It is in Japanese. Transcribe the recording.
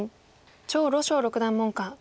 張呂祥六段門下。